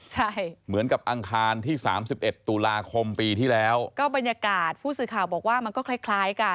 ใช่เหมือนกับอังคารที่สามสิบเอ็ดตุลาคมปีที่แล้วก็บรรยากาศผู้สื่อข่าวบอกว่ามันก็คล้ายคล้ายกัน